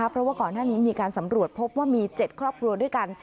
เพราะว่าก่อนหน้านี้มีการสำรวจพบว่ามี๗ครอบครัวด้วยกัน